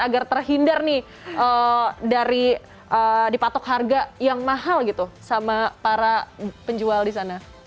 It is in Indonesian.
agar terhindar nih dari dipatok harga yang mahal gitu sama para penjual di sana